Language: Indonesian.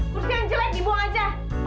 terus yang jelek dibuang aja